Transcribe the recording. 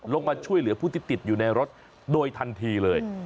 ลงมาช่วยเหลือผู้ที่ติดอยู่ในรถโดยทันทีเลย